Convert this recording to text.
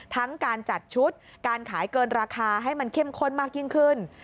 ทั้งการจัดชุดการขายเกินราคาให้มันเข้มข้นมากยิ่งขึ้น